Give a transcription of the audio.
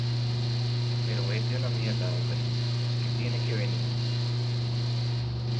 pero vete a la mierda, hombre. es que tiene que venir